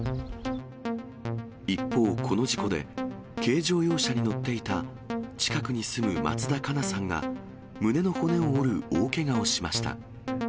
一方、この事故で、軽乗用車に乗っていた近くに住む松田加奈さんが、胸の骨を折る大けがをしました。